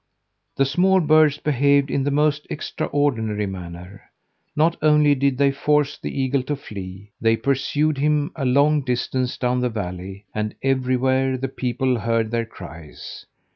The small birds behaved in the most extraordinary manner. Not only did they force the eagle to flee, they pursued him a long distance down the valley, and everywhere the people heard their cries.